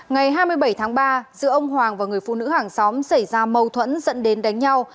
ngày hai mươi bảy tháng ba giữa ông hoàng và người phụ nữ hàng xóm xảy ra mâu thuẫn dẫn đến đánh nhau